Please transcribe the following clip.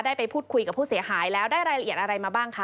ไปพูดคุยกับผู้เสียหายแล้วได้รายละเอียดอะไรมาบ้างคะ